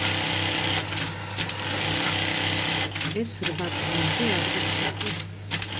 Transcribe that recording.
ეს რვა წლამდე არ ვიცოდი